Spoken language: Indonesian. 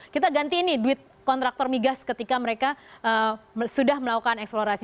kita ganti ini duit kontraktor migas ketika mereka sudah melakukan eksplorasi